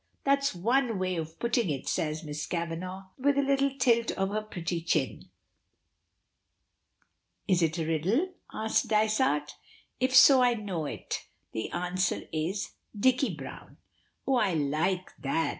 That's one way of putting it," says Miss Kavanagh, with a little tilt of her pretty chin. "Is it a riddle?" asks Dysart. "If so I know it. The answer is Dicky Browne." "Oh, I like that!"